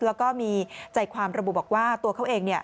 แล้วก็มีใจความระบุบอกว่าตัวเขาเอง